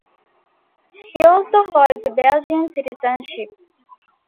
He also holds a Belgian citizenship.